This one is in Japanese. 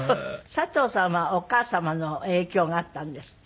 佐藤さんはお母様の影響があったんですって？